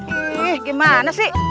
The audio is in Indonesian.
ih gimana sih